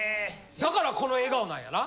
だからこの笑顔なんやな。